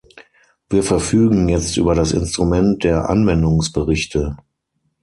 Wir verfügen jetzt über das Instrument der Anwendungsberichte.